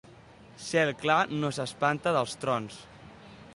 Cel clar no s'espanta dels trons.